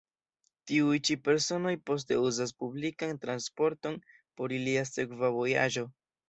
Tiuj ĉi personoj poste uzas publikan transporton por ilia sekva vojaĝo.